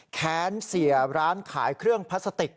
แค้นเสียร้านขายเครื่องพลาสติก